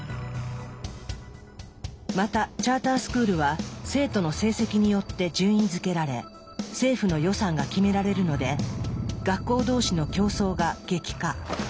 またチャータースクールは生徒の成績によって順位づけられ政府の予算が決められるので学校同士の競争が激化。